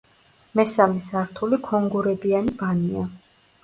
მესამე სართული ქონგურებიანი ბანია.